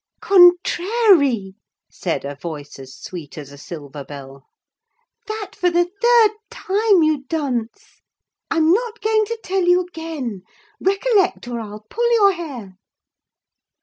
"Con trary!" said a voice as sweet as a silver bell. "That for the third time, you dunce! I'm not going to tell you again. Recollect, or I'll pull your hair!"